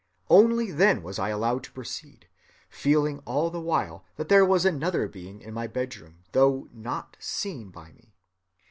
Only then was I allowed to proceed, feeling all the while that there was another being in my bedroom, though not seen by me.